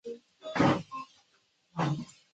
六角光滑球虫为光滑球虫科光滑球虫属的动物。